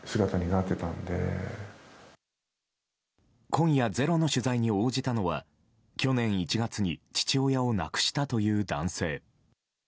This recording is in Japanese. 今夜「ｚｅｒｏ」の取材に応じたのは去年１月に父親を亡くしたという男性。